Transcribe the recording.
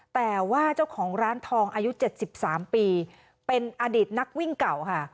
แต่ว่าเจ้าของร้านทองอายุ๗๓ปีเป็นอดีตนักวิ่งเก่าค่ะ